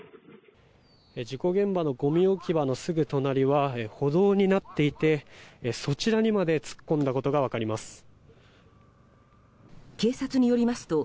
事故現場のごみ置き場のすぐ隣は歩道になっていてそちらにまで突っ込んだことが分かります。